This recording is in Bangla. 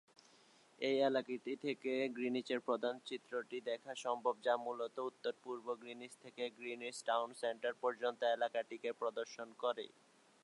এই এলাকাটি থেকে গ্রিনিচের প্রধান চিত্রটি দেখা সম্ভব, যা মূলত উত্তর-পূর্ব গ্রিনিচ থেকে গ্রিনিচ টাউন সেন্টার পর্যন্ত এলাকাটিকে প্রদর্শন করে।